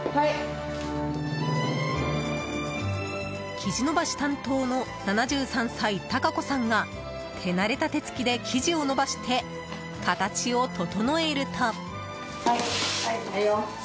生地延ばし担当の７３歳、孝子さんが手慣れた手つきで生地を延ばして形を整えると。